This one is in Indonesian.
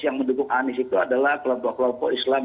yang mendukung anies itu adalah kelompok kelompok islam